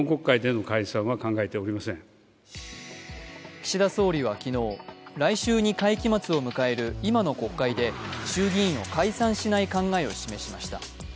岸田総理は昨日、来週に会期末を迎える今の国会で、衆議院を解散しない考えを示しました。